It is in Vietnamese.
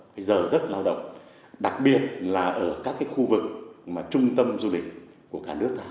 cái giờ rất lao động đặc biệt là ở các cái khu vực mà trung tâm du lịch của cả nước